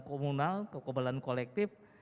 komunal kekebalan kolektif